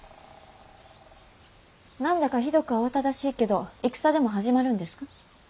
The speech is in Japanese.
何だかひどく慌ただしいけど戦でも始まるんですか。